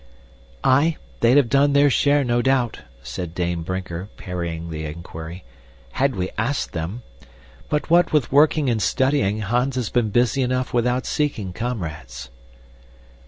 "Aye, they'd have done their share no doubt," said Dame Brinker, parrying the inquiry, "had we asked them. But what with working and studying, Hans has been busy enough without seeking comrades."